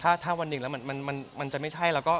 กลัวไหมคะว่าวันหนึ่งถ้าเกิดพวกมีปัญหากันอีกครั้ง